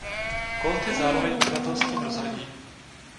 Kód je zároveň uživatelským rozhraním.